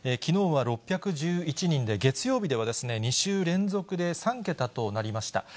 きのうは６１１人で、月曜日では２週連続で３桁となりました。